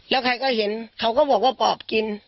แล้วใครก็เห็นเขาก็บอกว่าปอบกิน